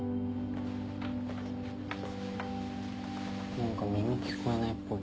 何か耳聞こえないっぽい。